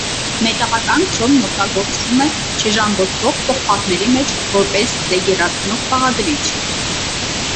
Մետաղական քրոմն օգտագործվում է չժանգոտվող պողպատների մեջ որպես լեգիրացնող բաղադրիչ։